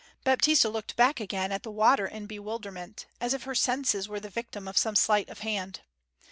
Baptista looked back again at the water in bewilderment, as if her senses were the victim of some sleight of hand.